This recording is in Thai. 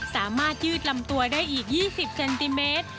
ยืดลำตัวได้อีก๒๐เซนติเมตร